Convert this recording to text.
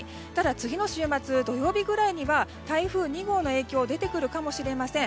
次の週末土曜日以降は台風２号の影響が出てくるかもしれません。